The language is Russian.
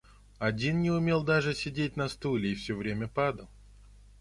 Один не умел даже сидеть на стуле и все время падал.